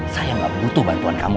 saya nggak butuh bantuan kamu